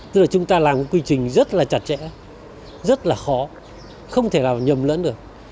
tức là chúng ta làm một quy trình rất là chặt chẽ rất là khó không thể nào nhầm lẫn được